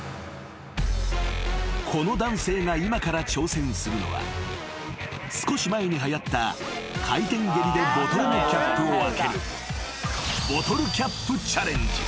［この男性が今から挑戦するのは少し前にはやった回転蹴りでボトルのキャップを開ける］